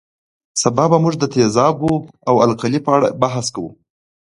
سبا به موږ د تیزابونو او القلي په اړه بحث کوو